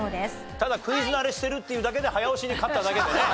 ただクイズ慣れしてるっていうだけで早押しに勝っただけでね。